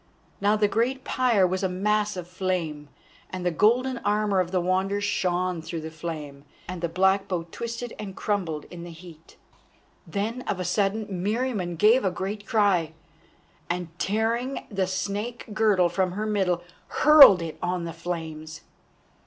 Now the great pyre was a mass of flame, and the golden armour of the Wanderer shone through the flame, and the black bow twisted and crumbled in the heat. Then of a sudden Meriamun gave a great cry, and tearing the snake girdle from her middle hurled it on the flames.